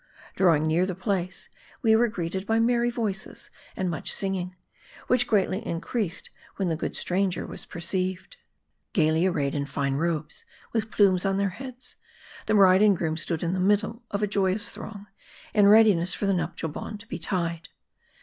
Drawing near the place, we were greeted by merry voices, and much singing, which greatly increased when the good stranger was perceived. Gayly arrayed in fine robes, with plumes on their heads, the bride and groom stood in the middle of a joyous throng, in readiness for the nuptial bond to be tied.